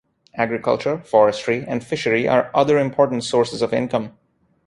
Agriculture, forestry and fishery are other important sources of income.